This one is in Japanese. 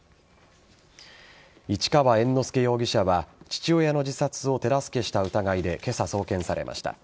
市川猿之助容疑者は父親の自殺を手助けした疑いで今朝送検されました。